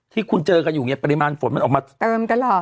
ที่คุณเจอกันอยู่เนี่ยปริมาณฝนมันออกมาเติมตลอด